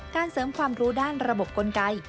เสริมความรู้ด้านระบบกลไก